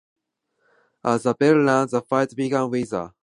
As the bell rang, the fight began with a sense of excitement and anticipation.